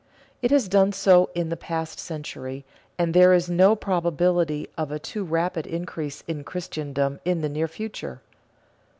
It has done so in the past century, and there is no probability of a too rapid increase in Christendom in the near future.